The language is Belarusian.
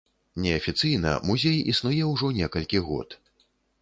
Неафіцыйна музей існуе ужо некалькі год.